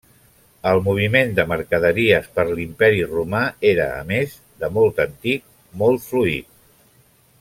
El moviment de mercaderies per l'Imperi romà era, a més de molt antic, molt fluid.